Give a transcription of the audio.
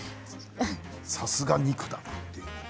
さすが肉だと。